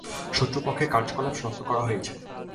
শত্রুপক্ষের কার্যকলাপ সনাক্ত করা হয়েছে।